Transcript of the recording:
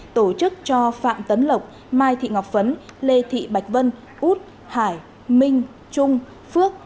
tổ chức cho phạm tấn lộc mai thị ngọc phấn lê thị bạch vân út hải minh trung phước